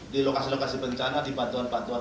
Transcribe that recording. di lokasi lokasi bencana di bantuan bantuan